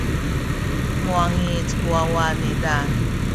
muwangic ku wawa niza.